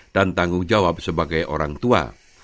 dan tanggung jawab sebagai orang tua